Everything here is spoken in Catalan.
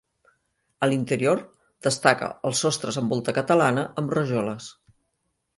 A l'interior destaca els sostres amb volta catalana amb rajoles.